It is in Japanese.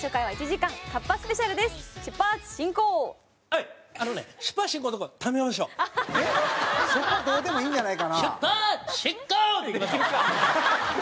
はい！